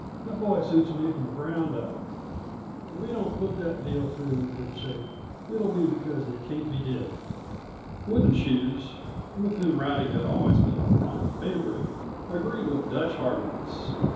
"That boy suits me, from the ground up. If he don't put that deal through in good shape, it'll be becaus' it can't be did." Wooden Shoes, with whom Rowdy had always been a prime favorite, agreed with Dutch heartiness.